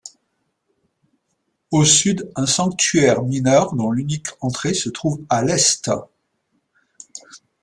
Au sud un sanctuaire mineur dont l'unique entrée se trouve à l'est.